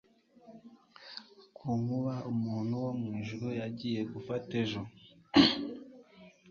Ku nkuba umuntu wo mwijuru yagiye gufata ejo